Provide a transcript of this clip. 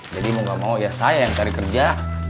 jadi mau gak mau ya saya yang cari kerja